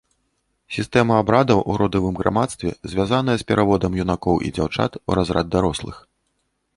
Сістэма абрадаў у родавым грамадстве, звязаная з пераводам юнакоў і дзяўчат у разрад дарослых.